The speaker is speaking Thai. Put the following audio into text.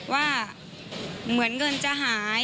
ว่าเหมือนเงินจะหาย